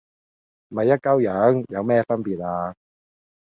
咪一鳩樣，有咩分別呀